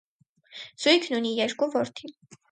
Զույգն ունի երկու որդի։